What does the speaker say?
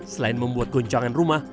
selain membuat goncangan rumah